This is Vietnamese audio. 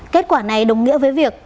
kết quả này đồng nghĩa với việc